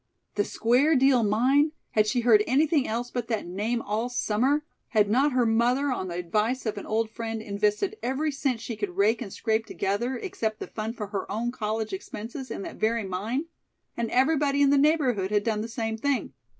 "The Square Deal Mine!" Had she heard anything else but that name all summer? Had not her mother, on the advice of an old friend, invested every cent she could rake and scrape together, except the fund for her own college expenses, in that very mine? And everybody in the neighborhood had done the same thing.